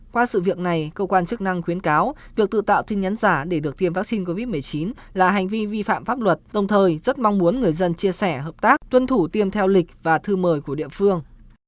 qua sự việc này cơ quan chức năng khuyến cáo việc tự tạo tin nhắn giả để được tiêm vaccine covid một mươi chín là hành vi vi phạm pháp luật đồng thời rất mong muốn người dân chia sẻ hợp tác tuân thủ tiêm theo lịch và thư mời của địa phương